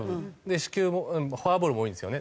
四球フォアボールも多いんですよね。